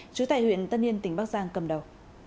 trú tại huyện tân yên tỉnh bắc giang cầm đầu